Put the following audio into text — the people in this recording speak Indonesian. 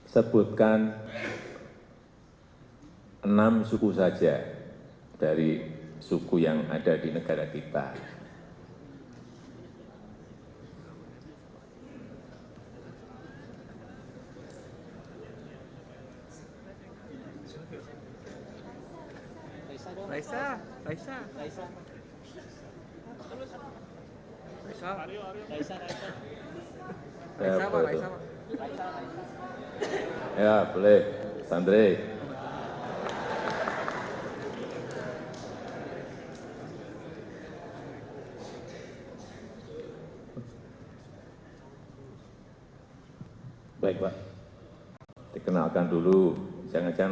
sebutkan enam suku saja dari suku yang ada di negara kita